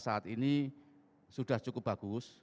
saat ini sudah cukup bagus